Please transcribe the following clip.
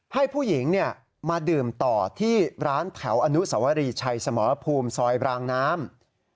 ให้ผู้หญิงมาดื่มต่อที่ร้านแถวอนุสวรีชัยสมรภูมิซอยรางน้ำ